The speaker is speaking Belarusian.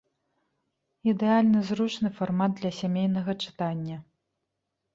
Ідэальна зручны фармат для сямейнага чытання.